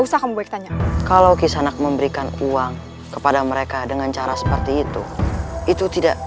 usaha kamu baik tanya kalau kisanak memberikan uang kepada mereka dengan cara seperti itu itu tidak